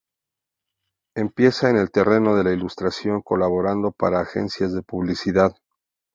Empieza en el terreno de la ilustración colaborando para agencias de publicidad.